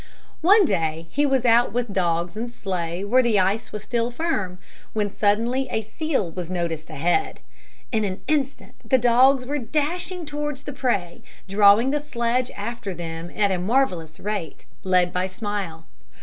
One day he was out with dogs and sleigh where the ice was still firm, when suddenly a seal was noticed ahead. In an instant the dogs were dashing towards the prey, drawing the sledge after them at a marvellous rate, led by Smile.